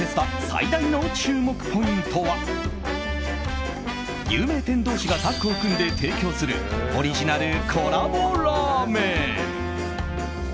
最大の注目ポイントは有名店同士がタッグを組んで提供するオリジナルコラボラーメン。